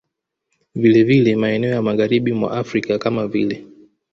Vilevile maeneo ya Magharibi mwa Afrika kama vile